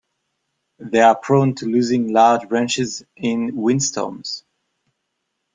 They are prone to losing large branches in windstorms.